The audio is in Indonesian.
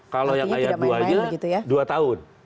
kalau yang ayat dua itu dua tahun